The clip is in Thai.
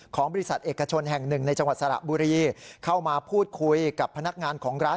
ของบริษัทเอกชนแห่งหนึ่งในจังหวัดสระบุรีเข้ามาพูดคุยกับพนักงานของร้าน